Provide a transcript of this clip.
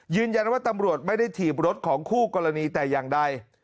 ยืนยันว่าตำรวจไม่ได้ถีบรถของคู่กรณีแต่อย่างใด